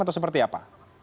atau seperti apa